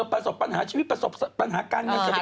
ประสบปัญหาชีวิตประสบปัญหาการเงินแสดง